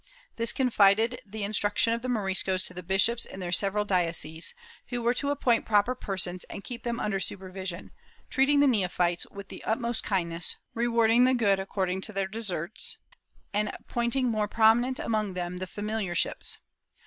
This confided the instruction of the Moriscos to the bishops in their several dioceses, who were to appoint proper persons and keep them under supervision, treating the neophytes with the ut most kindness, rewarding the good according to their deserts, and appointing the more prominent among them to familiarships.